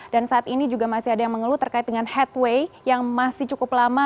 dan saat ini juga masih ada yang mengeluh terkait dengan headway yang masih cukup lama